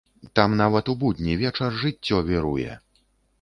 Там нават у будні вечар жыццё віруе.